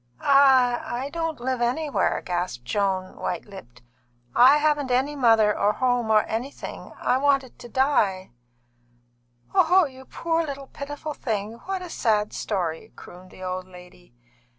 "I don't live anywhere," gasped Joan, white lipped. "I haven't any mother or any home, or anything. I wanted to die." "Oh, you poor little pitiful thing! What a sad story!" crooned the old lady.